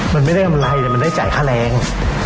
มันไม่ได้กำไรแต่มันได้จ่ายค่าแรง